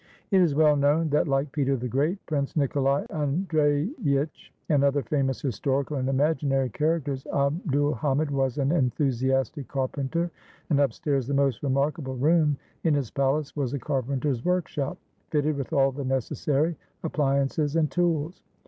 It is well known that, like Peter the Great, Prince Nikolai Andreyitch, and other famous historical and imaginary characters, Abd ul Hamid was an enthusi astic carpenter, and, upstairs, the most remarkable room in his palace was a carpenter's workshop fitted with all the necessary appliances and tools.